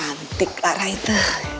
cantik clara itu